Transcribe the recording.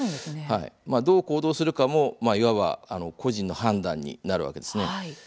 どう行動するかも、いわば「個人の判断」になるわけです。